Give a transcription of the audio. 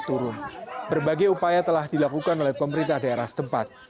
kekeringan tersebar di kabupaten lombok timur juga dilakukan oleh pemerintah daerah setempat